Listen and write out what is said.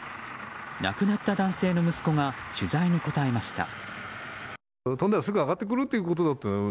亡くなった男性の息子が取材に答えました。